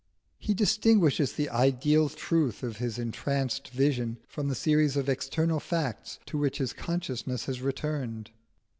(c xv.) He distinguishes the ideal truth of his entranced vision from the series of external facts to which his consciousness had returned.